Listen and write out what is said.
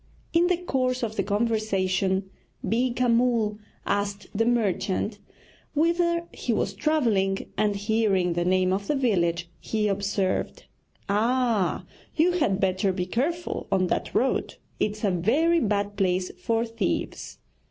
In the course of the conversation Beeka Mull asked the merchant whither he was travelling, and hearing the name of the village, he observed: 'Ah, you had better be careful on that road it's a very bad place for thieves.'